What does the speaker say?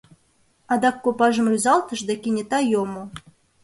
Адак копажым рӱзалтыш да кенета йомо.